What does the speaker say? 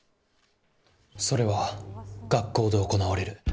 それは、学校で行われる。